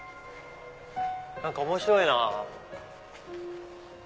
何か面白いなぁ。